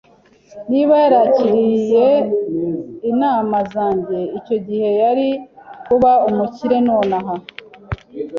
Niba yarakiriye inama zanjye icyo gihe, yari kuba umukire nonaha.